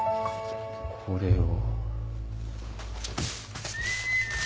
これを。